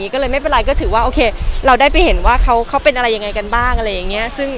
ก็ไม่เป็นไรก็ถือว่าเราได้ไปเห็นว่าเขาเป็นอะไรอย่างไรกันบ้าง